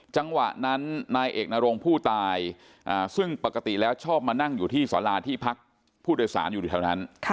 จังหวะนั้นนายเอกนรงผู้ตายซึ่งปกติแล้วชอบมานั่งอยู่ที่สาราที่พักผู้โดยสารอยู่แถวนั้น